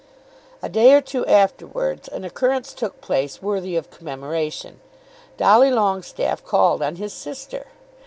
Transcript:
A day or two afterwards an occurrence took place worthy of commemoration. Dolly Longestaffe called on his sister!